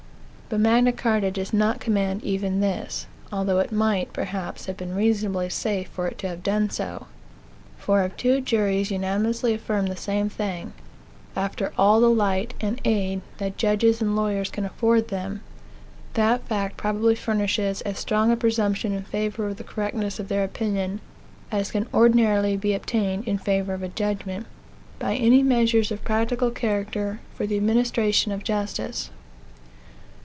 But Magna Carta does not command even this although it might, perhaps, have been reasonably safe for it to have done so for if two juries unanimously affirm the same thing, after all the light and aid that judges and lawyers can afford them, that fact probably furnishes as strong a presumption in favor of the correctness of their opinion, as can ordinarily be obtained in favor of a judgment, by any measures of a practical character for the administration of justice.